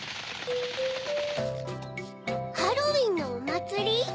ハロウィンのおまつり？